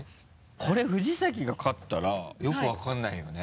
これ藤崎が勝ったらよく分からないよね。